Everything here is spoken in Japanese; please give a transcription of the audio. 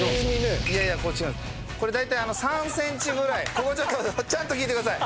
ここちょっとちゃんと聞いてください。